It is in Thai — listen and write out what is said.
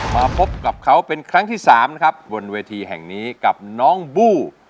มาพบกับเขาเป็นครั้งที่สามนะครับบนเวทีแห่งนี้กับน้องบู